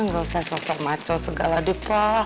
gak usah sosok maco segala di pa